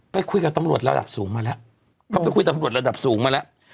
ไปคุยกับตำรวจระดับสูงมาแล้ว